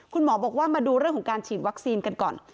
คุณหมอบอกว่ามาดูเรื่องของการฉีดวัคซีนกันก่อน